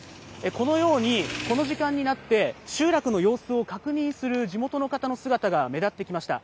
このように、この時間になって、集落の様子を確認する地元の方の姿が目立ってきました。